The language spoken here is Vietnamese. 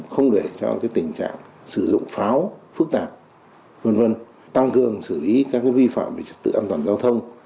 không để tình trạng sử dụng pháo phức tạp tăng cường xử lý các vi phạm về trật tự an toàn giao thông